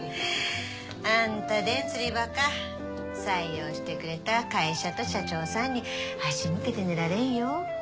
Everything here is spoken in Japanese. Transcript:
あんたでん釣りバカ採用してくれた会社と社長さんに足向けて寝られんよ。